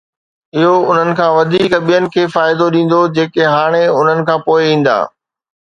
اھو انھن کان وڌيڪ ٻين کي فائدو ڏيندو“ جيڪي ھاڻي انھن کان پوءِ ايندا.